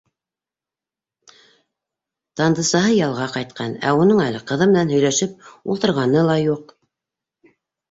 Тандысаһы ялға ҡайтҡан, ә уның әле ҡыҙы менән һөйләшеп ултырғаны ла юҡ.